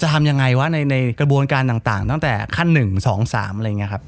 ทำยังไงวะในกระบวนการต่างตั้งแต่ขั้น๑๒๓อะไรอย่างนี้ครับ